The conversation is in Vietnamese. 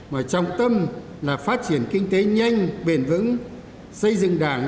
mà trọng tâm là phát triển kinh tế nhanh bền vững xây dựng đảng